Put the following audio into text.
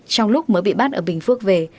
trong lúc mới bị bắt ở bình phước về